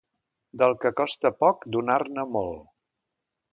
Del que costa poc, donar-ne molt.